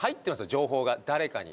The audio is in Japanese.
情報が誰かに。